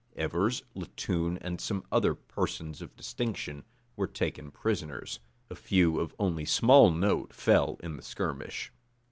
Evers, Latoun, and some other persons of distinction, were taken prisoners. A few only of small note fell in the skirmish.